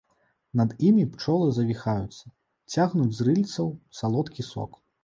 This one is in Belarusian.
Над імі пчолы завіхаюцца, цягнуць з рыльцаў салодкі сок.